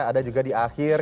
ada juga di akhir